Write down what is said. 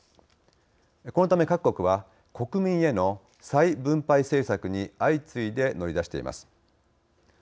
このため各国は国民への再分配政策に相次いで乗り出しています。